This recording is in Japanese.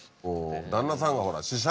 旦那さんがほら。